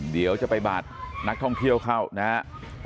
เดี๋ยวจะไปบาดนักท่องเที่ยวเข้านะครับ